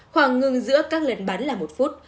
khoảng ngừng giữa các lần bắn là một phút